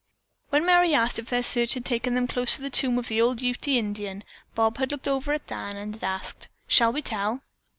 When Merry asked if their search had taken them close to the tomb of the old Ute Indian, Bob had looked over at Dan and had asked, "Shall we tell?"